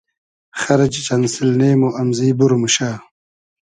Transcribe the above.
خئرجی چئن سیلنې مو امزی بور موشۂ